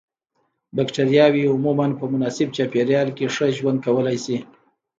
بکټریاوې عموماً په مناسب چاپیریال کې ښه ژوند کولای شي.